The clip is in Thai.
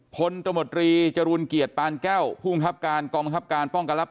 พลกจรุลเกียจปานแก้วผู้กระบการกองบังคับการป้องกันลับ